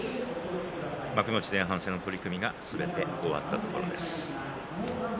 幕内前半の取組がすべて終わったところです。